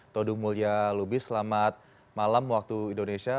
todung mulya lubis selamat malam waktu indonesia